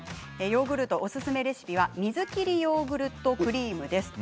ヨーグルトおすすめレシピは水切りヨーグルトクリームです。